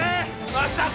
真紀さん